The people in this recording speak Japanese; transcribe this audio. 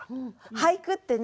俳句ってね